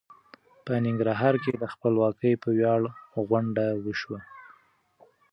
په ننګرهار کې د خپلواکۍ په وياړ غونډه وشوه.